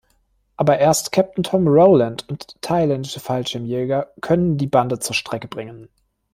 Aber erst Captain Tom Rowland und thailändische Fallschirmjäger können die Bande zur Strecke bringen.